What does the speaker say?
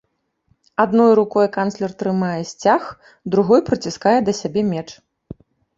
Адной рукой канцлер трымае сцяг, другой прыціскае да сябе меч.